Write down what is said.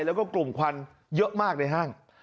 แล้วก็กลุ่มควันเยอะมากในห้าง